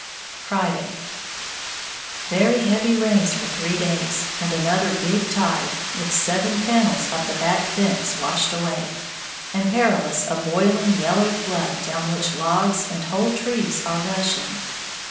Friday. Very heavy rains for three days, and another big "tide," with seven panels of the back fence washed away, and Perilous a boiling yellow flood down which logs and whole trees are rushing.